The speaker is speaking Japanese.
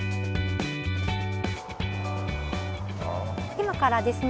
今からですね